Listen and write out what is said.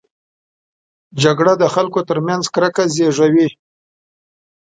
جګړه د خلکو ترمنځ کرکه زېږوي